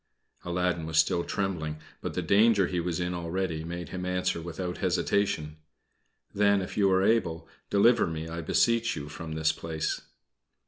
Aladdin was still trembling; but the danger he was in already made him answer without hesitation: "Then, if you are able, deliver me, I beseech you, from this place."